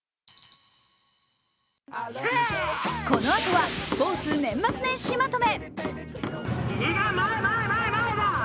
このあとはスポーツ年末年始まとめ。